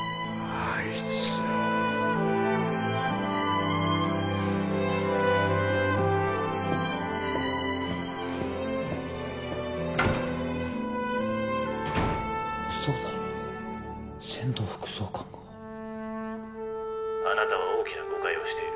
「あなたは大きな誤解をしている」